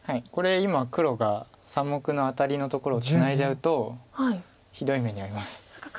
これ今黒が３目のアタリのところツナいじゃうとひどい目に遭います。